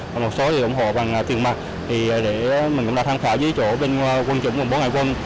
một số thì ủng hộ bằng tiền mặt để mình cũng đã tham khảo dưới chỗ bên quân chủng và bộ ngại quân